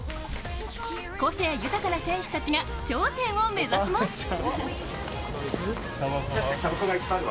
個性豊かな選手たちが頂点を目指します。